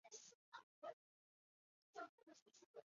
杜拉基什为该区的首府。